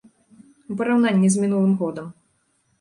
У параўнанні з мінулым годам.